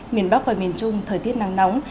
miền bắc và miền trung thời tiết nắng nóng